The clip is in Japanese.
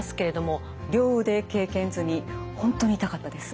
本当に痛かったです。